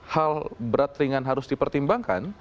hal berat ringan harus dipertimbangkan